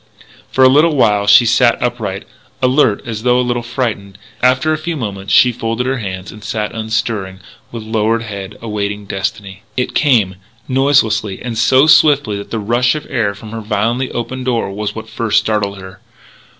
For a little while she sat upright, alert, as though a little frightened. After a few moments she folded her hands and sat unstirring, with lowered head, awaiting Destiny. It came, noiselessly. And so swiftly that the rush of air from her violently opened door was what first startled her.